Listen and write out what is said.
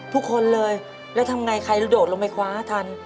ทุกคนเลยแล้วทำไงใครเราโดดลงไปคว้าทัน